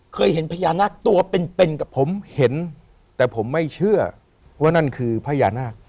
เคยเห็นพญานาคตัวเป็นเป็นกับผมเห็นแต่ผมไม่เชื่อว่านั่นคือพญานาค